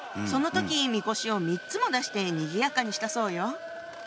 その時みこしを３つも出してにぎやかにしたそうよ。